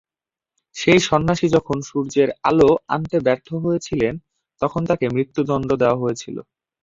সেই সন্ন্যাসী যখন সূর্যের আলো আনতে ব্যর্থ হয়েছিলেন, তখন তাকে মৃত্যুদণ্ড দেওয়া হয়েছিল।